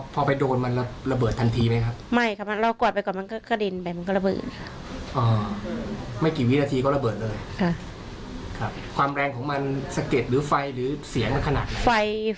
เหมือนมีเขาระเบิดได้เลยไหมค่ะความแรงของมันสะเก็บหรือไฟหรือเสียงขนาดไหน